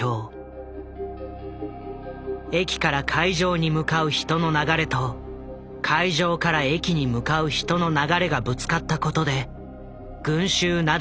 駅から会場に向かう人の流れと会場から駅に向かう人の流れがぶつかったことで群集雪崩が発生。